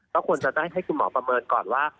แล้วควรจะให้คุณหมอประเมินก่อนว่า